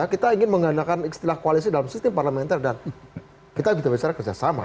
kita ingin menggunakan istilah koalisi dalam sistem parlementer dan kita bisa bicara kerjasama